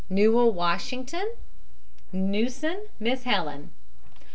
NEWELL, WASHINGTON. NEWSON, MISS HELEN.